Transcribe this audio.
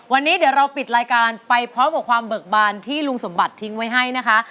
วันนี้เดี๋ยวเราปิดรายการไปพร้อมกับความเบิกบานที่ลุงสมบัติทิ้งไว้ให้นะคะ